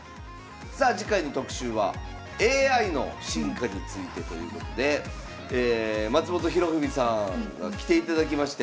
さあ次回の特集はＡＩの進化についてということで松本博文さんが来ていただきまして。